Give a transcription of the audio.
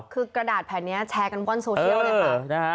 คือกระดาษแผ่นนี้แชร์กันว่อนโซเชียลเลยค่ะ